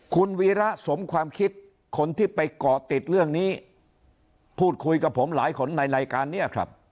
คุณวีระสมความคิดคนที่ไปเกาะติดเรื่องนี้พูดคุยกับผมหลายคนในรายการนี้ครับ